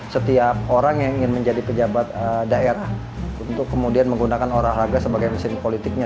setiap orang yang ingin menjadi pejabat daerah untuk kemudian menggunakan olahraga sebagai mesin politiknya